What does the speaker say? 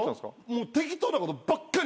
適当なことばっかり。